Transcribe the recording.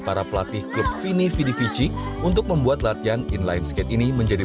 para pelatih klub vini vini fiji untuk membuat latihan inline skate ini menjadi